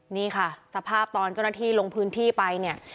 นี่ค่ะสภาพตอนเจ้าหน้าที่ลงพื้นที่ไปเนี่ย